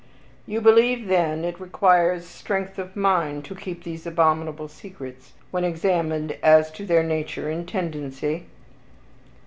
"You believe, then, it requires strength of mind to keep those abominable secrets, when examined as to their nature and tendency?"